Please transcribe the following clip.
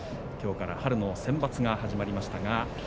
きょうから春のセンバツが始まりましたね。